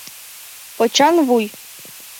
Почан вуй.